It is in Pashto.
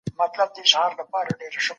صنعتي کاروبار څنګه د مالي خطرونو مخه نیسي؟